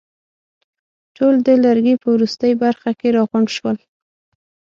ټول د لرګي په وروستۍ برخه کې راغونډ شول.